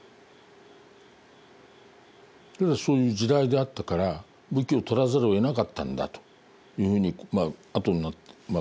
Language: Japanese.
そういう時代であったから武器を取らざるをえなかったんだというふうにまああとになって今ね